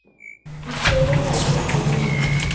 ustedes habían comido